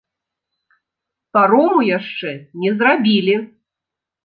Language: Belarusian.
Парому яшчэ не зрабілі.